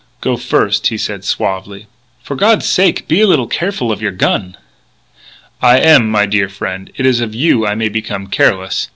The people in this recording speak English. "Go first," he said suavely. "For God's sake, be a little careful of your gun " "I am, my dear frien'. It is of you I may become careless.